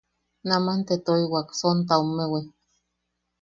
Naman te toiwak sontaomewi.